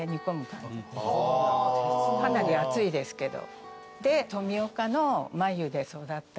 かなり熱いですけど。